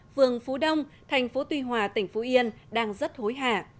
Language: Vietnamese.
vườn phú đông thành phố tuy hòa tỉnh phú yên đang rất hối hạ